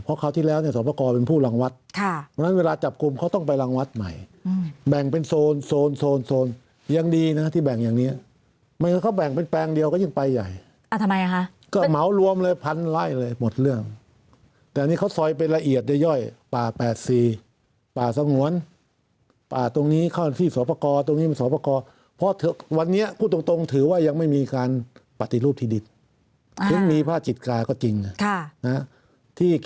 สวัสดีแล้วเนี่ยสวัสดีแล้วเนี่ยสวัสดีแล้วเนี่ยสวัสดีแล้วเนี่ยสวัสดีแล้วเนี่ยสวัสดีแล้วเนี่ยสวัสดีแล้วเนี่ยสวัสดีแล้วเนี่ยสวัสดีแล้วเนี่ยสวัสดีแล้วเนี่ยสวัสดีแล้วเนี่ยสวัสดีแล้วเนี่ยสวัสดีแล้วเนี่ยสวัสดีแล้วเนี่ยสวัสดีแล้วเนี่ยสวัสดีแล้วเนี่ย